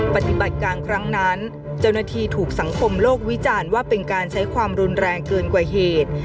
ปฏิบัติการครั้งนั้นเจ้าหน้าที่ถูกสังคมโลกวิจารณ์ว่าเป็นการใช้ความรุนแรงเกินกว่าเหตุ